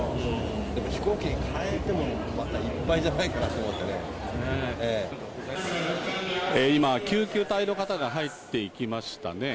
でも、やっぱり飛行機に替えても、またいっぱいじゃないかなと思っ今、救急隊の方が入っていきましたね。